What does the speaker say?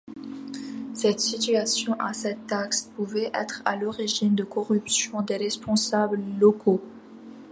Cette situation et cette taxe pouvaient être à l'origine de corruption des responsables locaux.